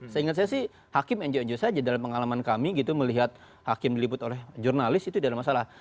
saya ingat saya hakim nju saja dalam pengalaman kami melihat hakim diliput oleh jurnalis itu tidak ada masalah